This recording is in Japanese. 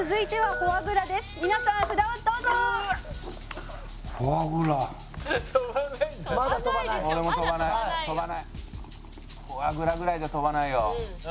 「フォアグラぐらいじゃ飛ばないよ」